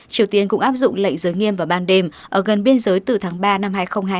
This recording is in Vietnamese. triều tiên cũng áp dụng lệnh giới nghiêm vào ban đêm ở gần biên giới từ tháng ba năm hai nghìn hai mươi hai